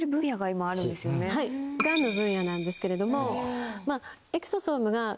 ガンの分野なんですけれども。